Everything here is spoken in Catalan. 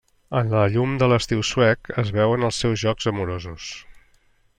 En la llum de l'estiu suec, es veuen els seus jocs amorosos.